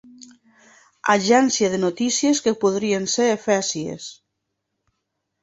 Agència de notícies que podrien ser efèsies.